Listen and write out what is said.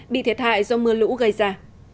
bị hại do mưa lũ gây ra